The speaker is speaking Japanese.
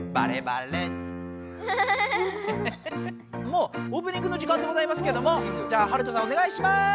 もうオープニングの時間でございますけどもじゃあハルトさんおねがいします！